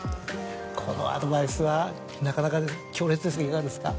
このアドバイスはなかなか強烈ですけどいかがですか？